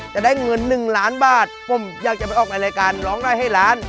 จะได้เงิน๑ล้านบาทผมอยากจะไปออกในรายการร้องได้ให้ล้าน